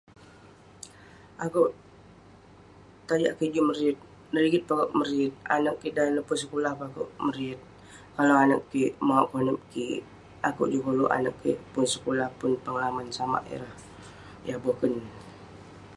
Akouk, tajak kik juk meriyet, rigit akouk peh akouk meriyet..anag kik dan neh pun sekulah peh akouk meriyet..kalau anag kik mauk konep kik, akouk juk koluk anag kik pun sekulah, pun pengalaman samak ireh boken.